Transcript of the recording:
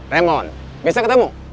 raymond bisa ketemu